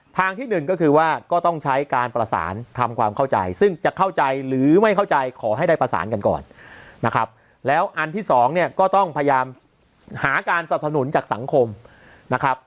ทางที่หนึ่งก็คือว่าก็ต้องใช้การประสานทำความเข้าใจซึ่งจะเข้าใจหรือไม่เข้าใจขอให้ได้ประสานกันก่อนนะครับแล้วอันที่สองเนี่ยก็ต้องพยายามหาการสับสนุนจากสังคมนะครับ